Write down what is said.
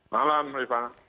malam pak ripana